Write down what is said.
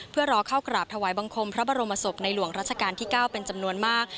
เพื่อรอเข้ากราบถวายบังคมพระบรมศพในหลวงรัชกาลที่๙เป็นจำนวนมาก